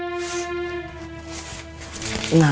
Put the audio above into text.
bukan di rumah